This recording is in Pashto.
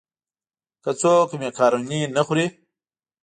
که څوک مېکاروني نه خوري.